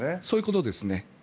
そういうことですね。